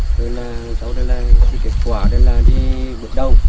thế là sau đó là kết quả đây là đi bước đầu